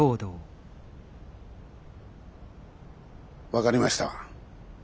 分かりました。